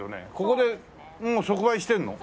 ここでもう即売してるの？